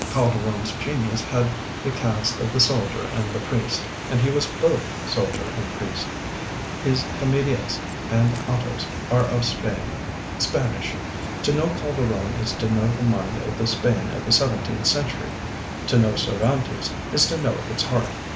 Calderon's genius had the cast of the soldier and the priest, and he was both soldier and priest. His comedias and autos are of Spain, Spanish. To know Calderon is to know the mind of the Spain of the seventeenth century; to know Cervantes is to know its heart.